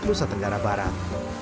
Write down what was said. lusa tenggara barat